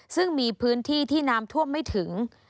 ซึ่งมีพื้นที่ที่น้ำท่วมไม่ถึง